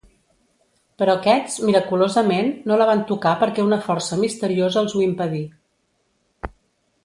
Però aquests, miraculosament, no la van tocar perquè una força misteriosa els ho impedí.